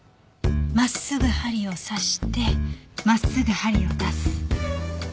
真っすぐ針を刺して真っすぐ針を出す。